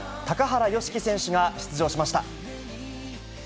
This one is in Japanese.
高原宜希選手が出場しました。